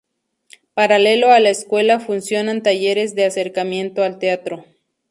Paralelo a la escuela funcionan talleres de acercamiento al teatro.